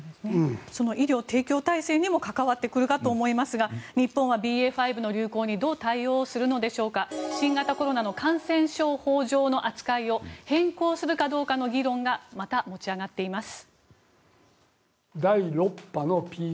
その医療提供体制にも関わってくるかと思いますが日本はＢＡ．５の流行にどう対応するのでしょうか新型コロナの感染症法上の扱いを変更するかどうかの議論がまた持ち上がっています。